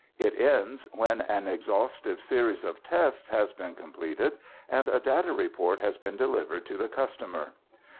It ends when an exhaustive series of tests has been completed and a data report has been delivered to the customer.